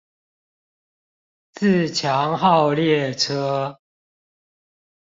自強號列車